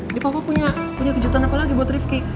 ini papa punya kejutan apa lagi buat rifki